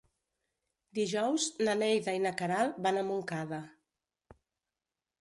Dijous na Neida i na Queralt van a Montcada.